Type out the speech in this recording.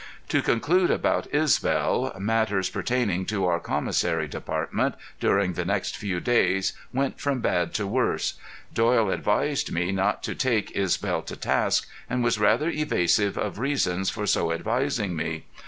To conclude about Isbel matters pertaining to our commissary department, during the next few days, went from bad to worse. Doyle advised me not to take Isbel to task, and was rather evasive of reasons for so advising me.